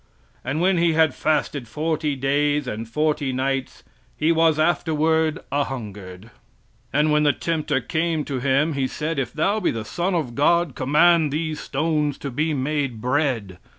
"And when he had fasted forty days and forty nights, he was afterward a hungered. "And when the tempter came to him, he said if thou be the Son of God, command these stones to be made bread.